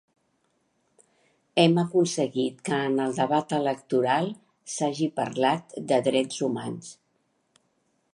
Hem aconseguit que en el debat electoral s’hagi parlat de drets humans.